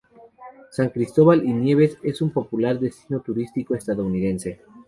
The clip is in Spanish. San Cristóbal y Nieves es un popular destino turístico estadounidense.